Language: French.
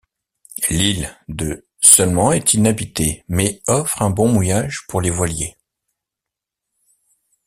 L'île de seulement est inhabitée mais offre un bon mouillage pour les voiliers.